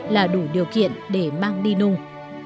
là đủ điều kiện để mang đi nung